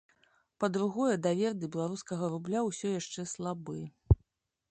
Па-другое, давер да беларускага рубля ўсё яшчэ слабы.